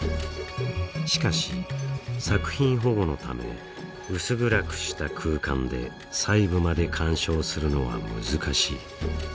しかし作品保護のため薄暗くした空間で細部まで鑑賞するのは難しい。